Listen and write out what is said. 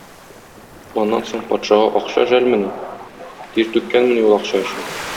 Аннан соң патшага акча жәлмени, тир түккәнмени ул акча өчен.